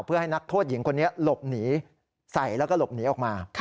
เพื่อให้นักโทษหญิงคนนี้หลบหนีใส่แล้วก็หลบหนีออกมา